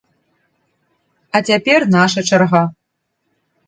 А цяпер наша чарга.